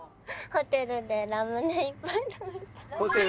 ホテルでラムネいっぱい食べて。